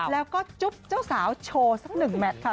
แล้วก็จุ๊บเจ้าสาวโชว์สักหนึ่งแมทค่ะ